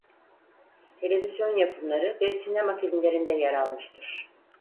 Televizyon yapımları ve sinema filmlerinde yer almıştır.